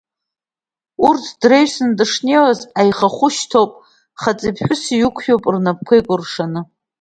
Урҭ драҩсны дышнеиуаз, аиха хәы шьҭоп, хаҵеи ԥҳәыси ықәиоуп, рнапқәа еикәыршаны.